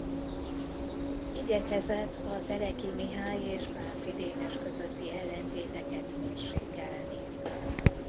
Igyekezett a Teleki Mihály és Bánffy Dénes közötti ellentéteket mérsékelni.